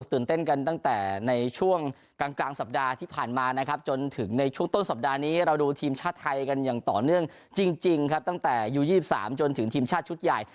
ตื่นเต้นกันตั้งแต่ในช่วงกลางสัปดาห์ที่ผ่านมานะครับจนถึงในช่วงต้นสัปดาห์นี้เราดูทีมชาติไทยกันอย่างต่อเนื่องจริงครับตั้งแต่ยู๒๓จนถึงทีมชาติชุดใหญ่